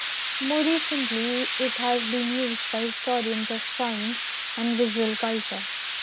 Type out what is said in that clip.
More recently it has been used by historians of science and visual culture.